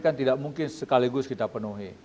kan tidak mungkin sekaligus kita penuhi